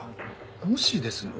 もしですよ